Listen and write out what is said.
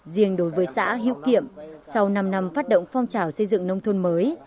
riêng đối với xã hữu kiệm sau năm năm phát động phong trào xây dựng nông thôn mới